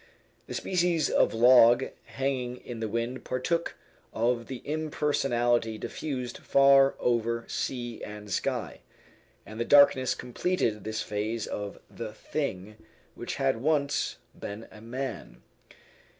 The species of log hanging in the wind partook of the impersonality diffused far over sea and sky, and the darkness completed this phase of the thing which had once been a man.